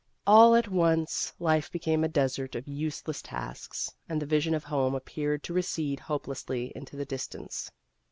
All at once, life became a desert of useless tasks, and the vision of home appeared to recede hopelessly into the distance.